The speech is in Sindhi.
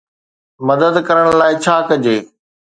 مدد ڪرڻ لاء ڇا ڪجي؟